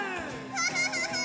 ハハハハ！